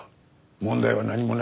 問題は何もない。